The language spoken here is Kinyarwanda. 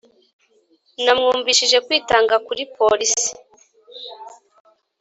namwumvishije kwitanga kuri polisi.